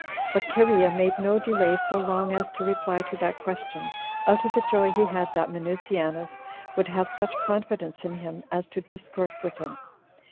But Cherea made no delay so long as to reply to that question, out of the joy he had that Minueianus would have such confidence in him as to discourse with him.